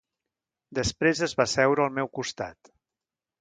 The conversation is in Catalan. Després es va asseure al meu costat.